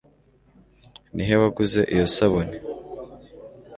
ni he waguze iyo sabune